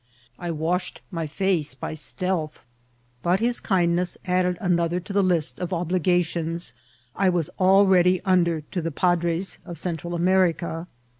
I washed my face by stealth, but his kindness added another to the list of ob ligations I was already under to the padres of Central America.